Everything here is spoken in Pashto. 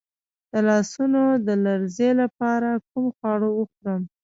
د لاسونو د لرزې لپاره کوم خواړه وخورم؟